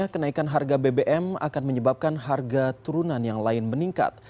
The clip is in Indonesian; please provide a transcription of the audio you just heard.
kenaikan harga bbm akan menyebabkan harga turunan yang lain meningkat